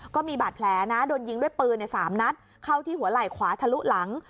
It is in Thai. ก็มีบาดแผลนะโดนยิงด้วยปืน๓นัดเข้าที่หัวไหล่ขวาทะลุหลัง